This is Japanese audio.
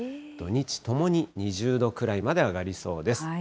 土日ともに２０度くらいまで上がりそうです。